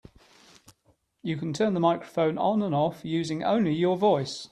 You can turn the microphone on and off using only your voice.